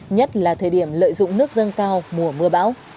nhất là thời điểm lợi dụng nước dâng cao mùa mưa bão